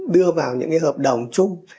đưa vào những cái hợp đồng chung